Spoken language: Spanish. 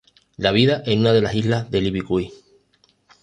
La vida en las islas del Ibicuy.